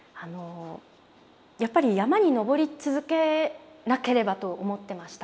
やっぱり山に登り続けなければと思ってました。